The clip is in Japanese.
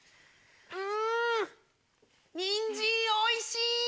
んにんじんおいしい！